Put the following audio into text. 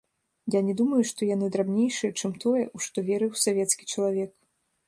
Я не думаю, што яны драбнейшыя, чым тое, у што верыў савецкі чалавек.